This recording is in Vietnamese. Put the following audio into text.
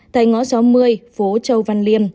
tại ngõ sáu mươi phố châu văn liêm